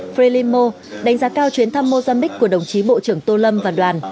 varelimo đánh giá cao chuyến thăm mozambique của đồng chí bộ trưởng tô lâm và đoàn